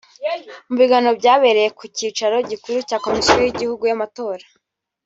Mu biganiro byabereye ku cyicaro gikuru cya Komisiyo y’Igihugu y’Amatora